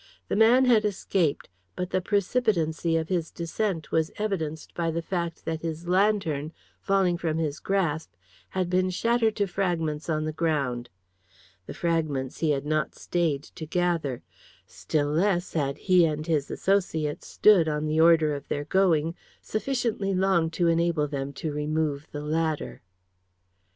The man had escaped; but the precipitancy of his descent was evidenced by the fact that his lantern, falling from his grasp, had been shattered to fragments on the ground. The fragments he had not stayed to gather. Still less had he and his associates stood on the order of their going sufficiently long to enable them to remove the ladder.